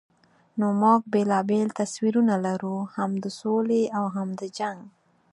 نو موږ بېلابېل تصویرونه لرو، هم د سولې او هم د جنګ.